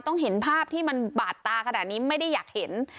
เห็นภาพที่มันบาดตาขนาดนี้ไม่ได้อยากเห็น